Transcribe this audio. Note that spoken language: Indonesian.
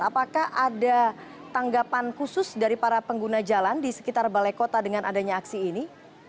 apakah ada tanggapan khusus dari para pengguna jalan di sekitar balai kota dengan adanya aksi ini